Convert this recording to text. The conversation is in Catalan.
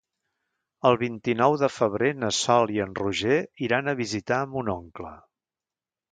El vint-i-nou de febrer na Sol i en Roger iran a visitar mon oncle.